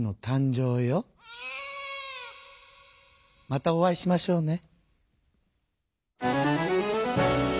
またお会いしましょうね。